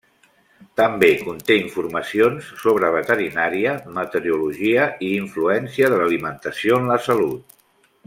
També conté informacions sobre veterinària, meteorologia i influència de l'alimentació en la salut.